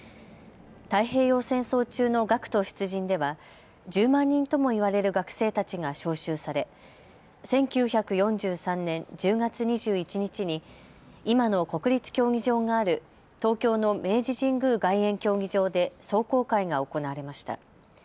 太平洋戦争中の学徒出陣では１０万人ともいわれる学生たちが召集され１９４３年１０月２１日に今の国立競技場がある東京の明治神宮外苑競技場で壮行会が行われました。